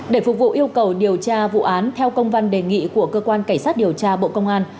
để phục vụ yêu cầu điều tra vụ án theo công văn đề nghị của cơ quan cảnh sát điều tra bộ công an